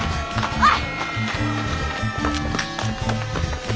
おい！